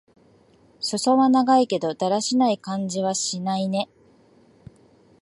すそは長いけど、だらしない感じはしないね。